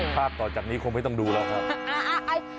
ต่อจากนี้คงไม่ต้องดูแล้วครับ